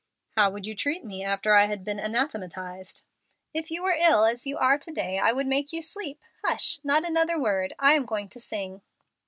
"How would you treat me after I had been anathematized?" "If you were as ill as you are to day I would make you sleep. Hush; not another word. I am going to sing."